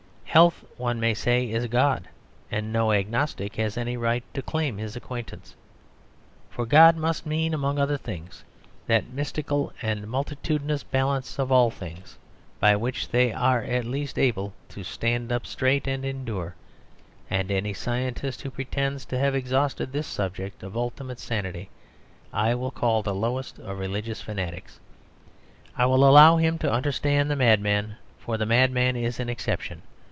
Health, one may say, is God; and no agnostic has any right to claim His acquaintance. For God must mean, among other things, that mystical and multitudinous balance of all things, by which they are at least able to stand up straight and endure; and any scientist who pretends to have exhausted this subject of ultimate sanity, I will call the lowest of religious fanatics. I will allow him to understand the madman, for the madman is an exception.